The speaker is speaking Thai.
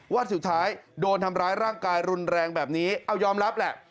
ว่าสุดท้ายโดนทำร้ายร่างกายรุนแรงแบบนี้เอายอมรับแหละ